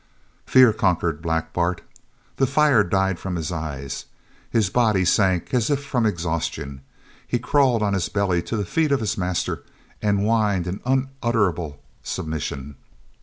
_" Fear conquered Black Bart. The fire died from his eyes. His body sank as if from exhaustion. He crawled on his belly to the feet of his master and whined an unutterable submission.